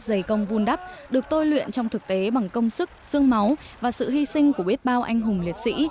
giày công vun đắp được tôi luyện trong thực tế bằng công sức sương máu và sự hy sinh của biết bao anh hùng liệt sĩ